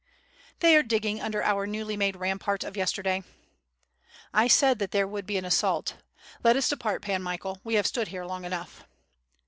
"They are digging under our newly made rampart of yes terday." "I said that there would be an assault. Let us depart, Pan Michael, we have stood here long enough."